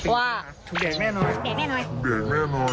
ว่าเด็กแม่น้อย